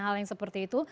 hal yang seperti itu